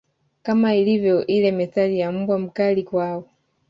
Kama ilivyo ile methali ya mbwa mkali kwao